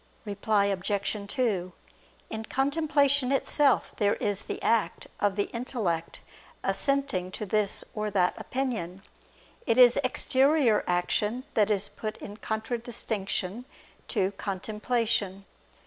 Reply Obj. 2: In contemplation itself there is the act of the intellect assenting to this or that opinion. It is exterior action that is put in contradistinction to contemplation.